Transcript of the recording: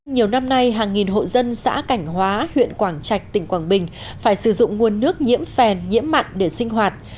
nhiều năm nay hàng nghìn hộ dân xã cảnh hóa huyện quảng trạch tỉnh quảng bình phải sử dụng nguồn nước nhiễm phèn nhiễm mặn để sinh hoạt